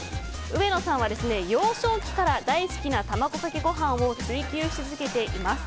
上野さんは幼少期から大好きな卵かけご飯を追求し続けています。